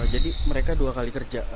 jadi mereka dua kali kerja